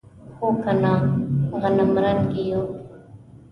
هو کنه غنمرنګي یو.